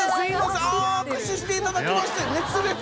あぁ握手していただきまして熱烈！